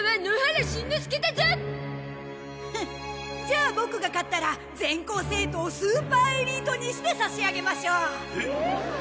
じゃあボクが勝ったら全校生徒をスーパーエリートにしてさしあげましょう。